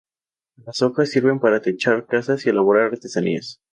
Las hojas sirven para techar casas y elaborar artesanías.